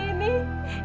ina tidak tega